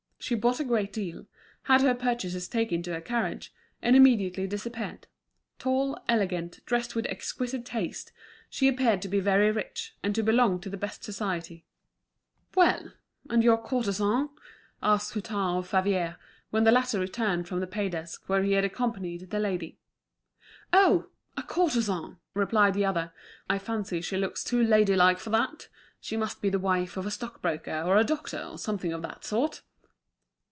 She bought a great deal, had her purchases taken to her carriage, and immediately disappeared. Tall, elegant, dressed with exquisite taste, she appeared to be very rich, and to belong to the best society. "Well! and your courtesan?" asked Hutin of Favier, when the latter returned from the pay desk, where he had accompanied the lady. "Oh! a courtesan!" replied the other. "I fancy she looks too lady like for that. She must be the wife of a stockbroker or a doctor, or something of that sort."